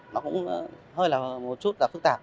nó cũng hơi là một chút phức tạp